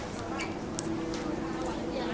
สวัสดีค่ะ